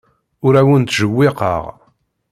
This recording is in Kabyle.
Ur awen-ttjewwiqeɣ.